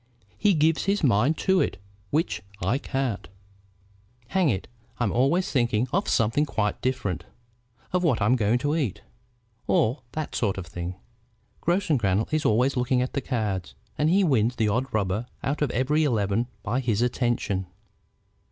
He gives his mind to it, which I can't. Hang it! I'm always thinking of something quite different, of what I'm going to eat, or that sort of thing. Grossengrannel is always looking at the cards, and he wins the odd rubber out of every eleven by his attention.